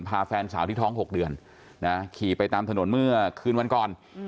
แฟนสาวที่ท้อง๖เดือนขี่ไปตามถนนเมื่อคืนวันก่อน